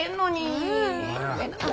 えっ！